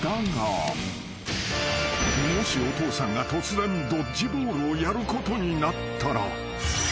［もしお父さんが突然ドッジボールをやることになったら］